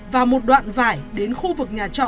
và một đoạn vải đến khu vực nhà trọ